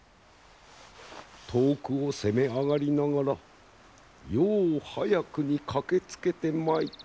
「遠くを攻め上がりながらよう早くに駆けつけてまいった。